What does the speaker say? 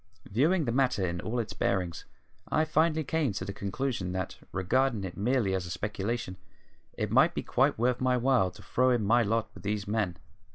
Viewing the matter in all its bearings I finally came to the conclusion that, regarding it merely as a speculation, it might be quite worth my while to throw in my lot with these men.